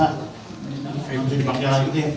atau bisa dipakai lagi